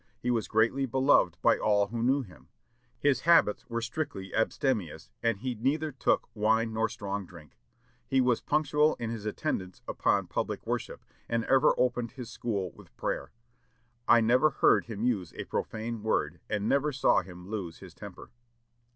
He was greatly beloved by all who knew him. His habits were strictly abstemious, and he neither took wine nor strong drink. He was punctual in his attendance upon public worship, and ever opened his school with prayer. I never heard him use a profane word, and never saw him lose his temper."